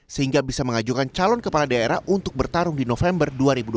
sehingga bisa mengajukan calon kepala daerah untuk bertarung di november dua ribu dua puluh